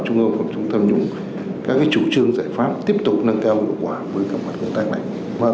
trung ương phòng chống tham nhũng